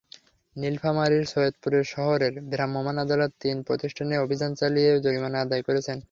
নীলফামারীর সৈয়দপুর শহরের ভ্রাম্যমাণ আদালত তিন প্রতিষ্ঠানে অভিযান চালিয়ে জরিমানা আদায় করেছেন।